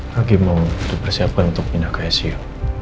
lagi mau dipersiapkan untuk pindah ke asia